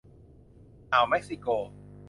อ่าวเม็กซิโก